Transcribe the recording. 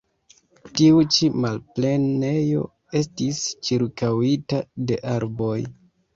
Tiu ĉi malplenejo estis ĉirkaŭita de arboj.